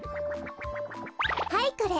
はいこれ。